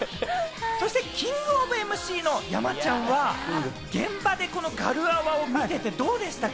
そしてキングオブＭＣの山ちゃんは、現場で、このガルアワを見ていてどうでしたか？